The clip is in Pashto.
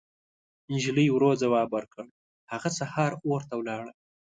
نجلۍ ورو ځواب ورکړ: هغه سهار اور ته ولاړه.